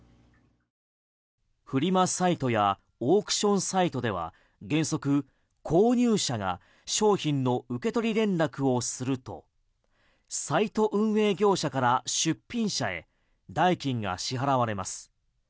フリマサイトやオークションサイトでは原則、購入者が商品の受け取り連絡をするとサイト運営業者から出品者へ代金が支払われます。